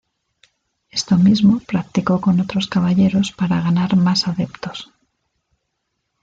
Esto mismo practicó con otros caballeros para ganar más adeptos.